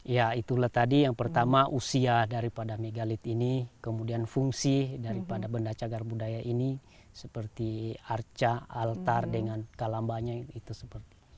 ya itulah tadi yang pertama usia daripada megalit ini kemudian fungsi daripada benda cagar budaya ini seperti arca altar dengan kalambanya itu seperti